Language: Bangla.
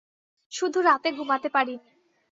শুধু রাতে ঘুমাতে পারিনি।